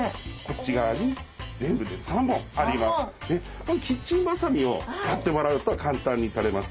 これキッチンばさみを使ってもらうと簡単に取れます。